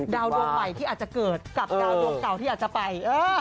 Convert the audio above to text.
ดวงใหม่ที่อาจจะเกิดกับดาวดวงเก่าที่อาจจะไป